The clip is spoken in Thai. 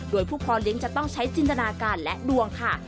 โดยผู้พอเลี้ยงจะต้องใช้จินตนาการและดวงค่ะ